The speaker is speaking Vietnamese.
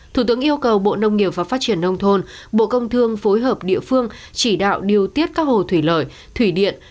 thủ tướng yêu cầu bộ nông nghiệp và phát triển nông thôn bộ công thương phối hợp địa phương chỉ đạo điều tiết các hồ thủy lợi thủy điện